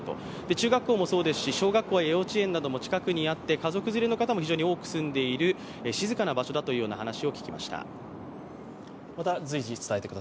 中学校もそうですし、小学校や幼稚園などもあって近くにあって、家族連れの方も非常に多く住んでいる静かな場所だと聞きました。